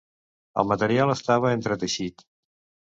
El material estava entreteixit.